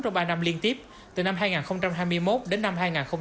trong ba năm liên tiếp từ năm hai nghìn hai mươi một đến năm hai nghìn hai mươi ba